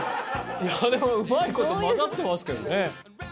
いやでもうまい事混ざってますけどね。